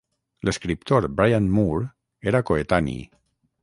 L'escriptor Brian Moore era coetani.